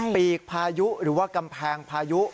ปีกพายุหรือว่ากำแพงพายุ